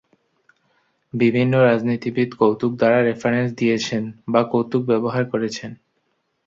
বিভিন্ন রাজনীতিবিদ কৌতুক দ্বারা রেফারেন্স দিয়েছেন বা কৌতুক ব্যবহার করেছেন।